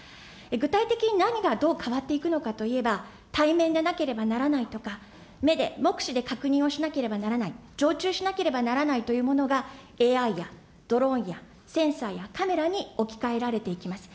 具体的に何がどう変わっていくのかといえば、対面でなければならないとか、目で、目視で確認をしなければならない、常駐しなければならないというものが、ＡＩやドローンやセンサーやカメラに置き換えられていきます。